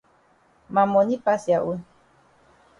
Ma moni pass ya own.